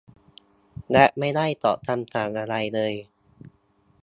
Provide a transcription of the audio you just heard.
และไม่ได้ตอบคำถามอะไรเลย